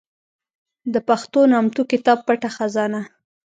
د پښتو نامتو کتاب پټه خزانه